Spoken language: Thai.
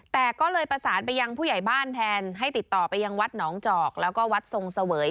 แต่ก็เลยประสานไปยังผู้ใหญ่บ้านแทนให้ติดต่อไปยังวัดหนองจอกแล้วก็วัดทรงเสวย